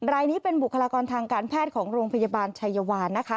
รายนี้เป็นบุคลากรทางการแพทย์ของโรงพยาบาลชัยวานนะคะ